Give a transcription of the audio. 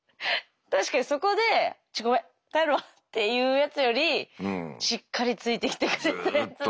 確かにそこで「ちょっとごめん帰るわ」って言うやつよりしっかりついてきてくれたやつの方が。